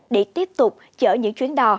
để tiếp tục chở những chuyến đo